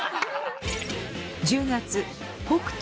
１０月北斗